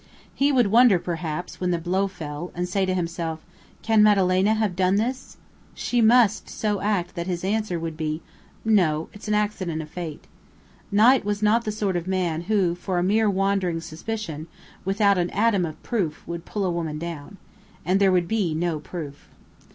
He would wonder perhaps, when the blow fell, and say to himself, "Can Madalena have done this?" She must so act that his answer would be, "No. It's an accident of fate." Knight was not the sort of man who for a mere wandering suspicion, without an atom of proof, would pull a woman down. And there would be no proof.